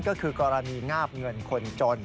ก็คือกรณีงาบเงินคนจน